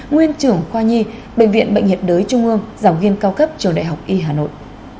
nguyên trưởng khoa nhi bệnh viện bệnh nhiệt đới trung ương giảng viên cao cấp trường đại học y hà nội